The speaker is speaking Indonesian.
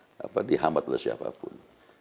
tidak akan dihampiri oleh siapapun